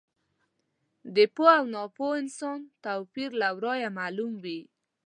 د پوه او ناپوه انسان توپیر له ورایه معلوم وي.